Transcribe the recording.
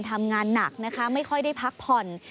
ทำงานหนักนะคะไม่ค่อยได้พักผ่อน